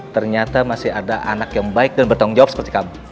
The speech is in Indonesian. ternyata masih ada anak yang baik dan bertanggung jawab seperti kamu